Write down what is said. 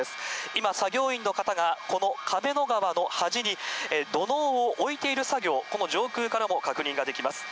今、作業員の方が、この亀の川の端に土のうを置いている作業、この上空からも確認ができます。